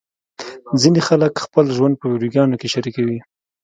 ځینې خلک خپل ژوند په ویډیوګانو کې شریکوي.